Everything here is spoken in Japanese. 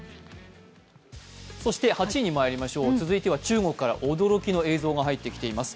そして８位にまいりましょう続いては中国から驚きの映像が届いています。